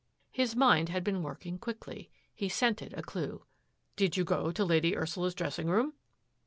His mind had been working quickly. He scented a clue. " Did you go to Lady Ursula's dressing room.'